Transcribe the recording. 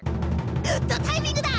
グッドタイミングだ！